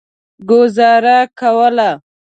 ګوزاره کوله.